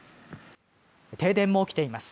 停電も起きています。